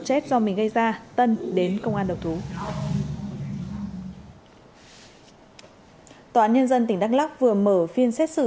chết do mình gây ra tân đến công an đầu thú tòa án nhân dân tỉnh đắk lóc vừa mở phiên xét xử